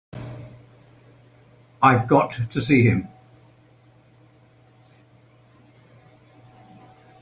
I've got to see him.